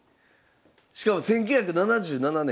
しかも１９７７年。